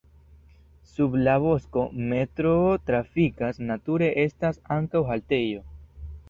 Sub la bosko metroo trafikas, nature estas ankaŭ haltejo.